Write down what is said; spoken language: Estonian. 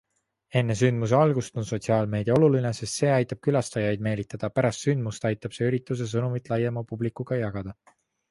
Enne sündmuse algust on sotsiaalmeedia oluline, sest see aitab külastajaid meelitada, pärast sündmust aitab see ürituse sõnumit laiema publikuga jagada.